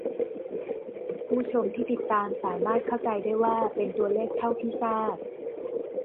ผู้ชมที่ติดตามสามารถเข้าใจได้ว่า เป็นตัวเลขเท่าที่ทราบ